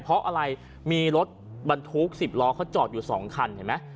เพราะอะไรมีรถบรรทุก๑๐ล้อเขาจอดอยู่๒คันเห็นไหม